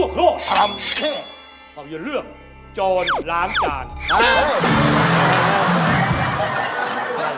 ภาพยนตร์เรื่องจนล้างจาน